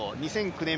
２００９年